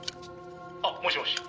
「あもしもし？